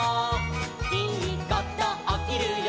「いいことおきるよ